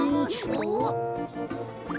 おっ！